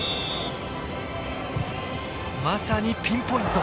まさにピンポイント。